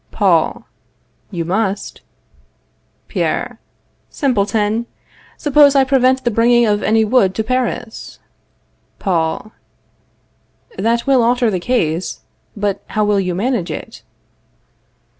Paul. You must. Pierre. Simpleton! Suppose I prevent the bringing of any wood to Paris? Paul. That will alter the case. But how will you manage it?